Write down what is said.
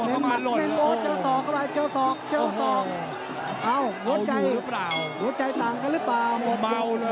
ตามต่อยกที่สองครับ